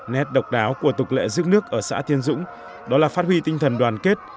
nét độc đáo của tục lệ rước nước ở xã tiên dũng đó là phát huy tinh thần đoàn kết